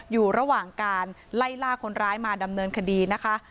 อยู่ระหว่างการไล่ล่าคนร้ายมาดำเนินคดีนะคะ